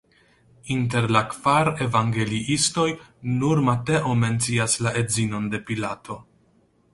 Inter la kvar evangeliistoj nur Mateo mencias la edzinon de Pilato.